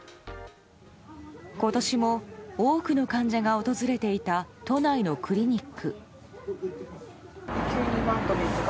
今年も多くの患者が訪れていた都内のクリニック。